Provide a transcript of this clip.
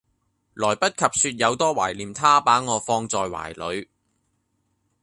來不及說有多懷念他把我放在懷裏